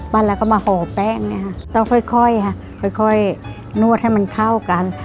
ปั้นแล้วก็มาห่อแป้งเนี้ยฮะต้องค่อยค่อยค่อยค่อยค่อยนวดให้มันเข้ากัน